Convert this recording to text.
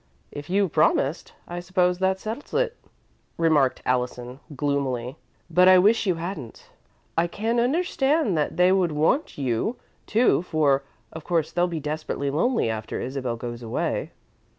"If you promised, I suppose that settles it," remarked Allison, gloomily, "but I wish you hadn't. I can understand that they would want you, too, for of course they'll be desperately lonely after Isabel goes away."